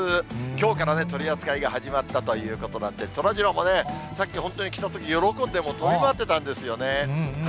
きょうからね、取り扱いが始まったということなんで、そらジローもね、さっき、本当に着たとき喜んで跳び回ってたんですよね。